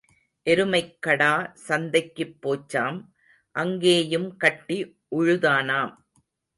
எருமைக்கடா சந்தைக்குப் போச்சாம் அங்கேயும் கட்டி உழுதானாம்.